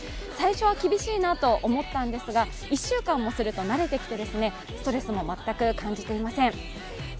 最初は厳しいなと思ったんですが１週間もすると慣れてきて、ストレスも全く感じていません。